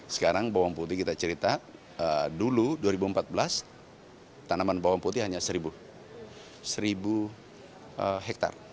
sekarang bawang putih kita cerita dulu dua ribu empat belas tanaman bawang putih hanya seribu hektare